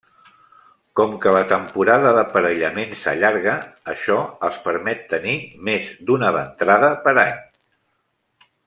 Com que la temporada d'aparellament s'allarga, això els permet tenir més d'una ventrada per any.